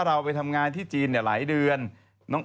เราไปทำงานที่จีนหลายเดือน